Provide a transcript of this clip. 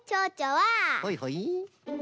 はいはい。